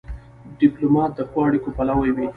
ډيپلومات د ښو اړیکو پلوی وي.